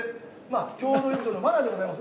共同浴場のマナーでございます。